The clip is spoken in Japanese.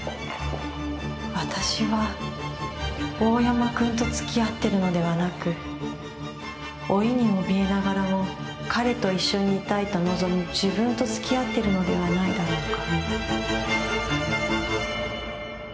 「私は大山くんと付き合っているのではなく、老いに怯えながらも彼と一緒にいたいと望む自分と付き合っているのではないだろうか」。